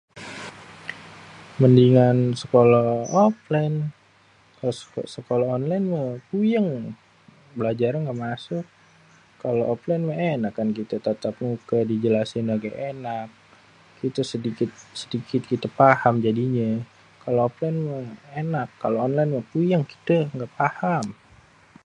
mendingan sekolah offlén.. kalo sekolah onlén mah puyéng.. belajarnya ngga masuk.. kalo offlén mah ènak kan kita tatap mukê dijelasin lagi ènak.. sedikit-sedikit paham kita jadinyê.. kalo offlén mah ènak kalo onlén mah puyêng kitê ngga paham..